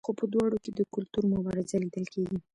خو په دواړو کې د کلتور مبارزه لیدل کیږي.